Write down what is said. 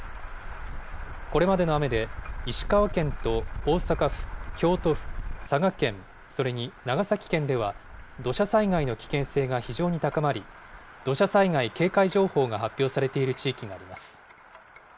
これまでの雨で、石川県と大阪府、京都府、佐賀県、それに長崎県では、土砂災害の危険性が非常に高まり、土砂災害警戒情報が発表されている地域もあります。